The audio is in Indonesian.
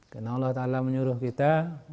karena allah ta'ala menyuruh kita